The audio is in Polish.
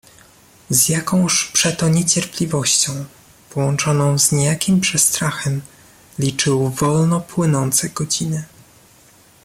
"Z jakąż przeto niecierpliwością, połączoną z niejakim przestrachem, liczył wolno płynące godziny."